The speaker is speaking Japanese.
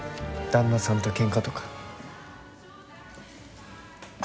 旦那さんとけんかとか？